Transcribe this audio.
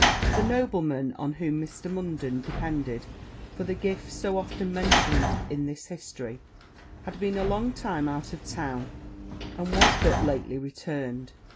The nobleman on whom Mr. Munden depended for the gift so often mentioned in this history, had been a long time out of town, and was but lately returned.